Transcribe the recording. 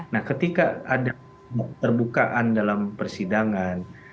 nah ketika ada terbukaan dalam persidangan